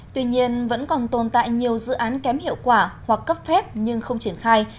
tuy nhiên vẫn còn tồn tại nhiều dự án kém hiệu quả hoặc cấp phép nhưng không triển khai